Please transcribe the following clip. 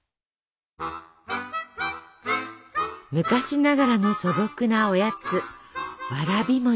昔ながらの素朴なおやつわらび餅。